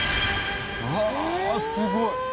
うわすごい！へえ！